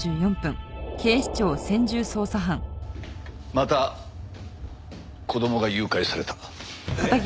また子供が誘拐された。